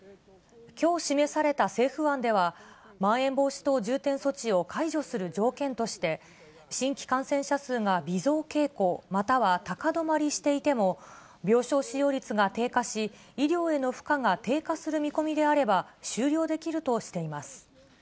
きょう示された政府案では、まん延防止等重点措置を解除する条件として、新規感染者数が微増傾向、または高止まりしていても、病床使用率が低下し、医療への負荷が低下する見込みであれば、終了できるとしています。